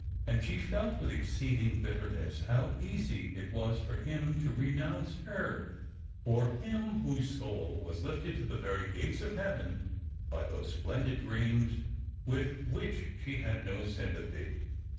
And she felt with exceeding bitterness how easy it was for him to renounce her— for him, whose soul was lifted to the very gates of heaven by those splendid dreams with which she had no sympathy.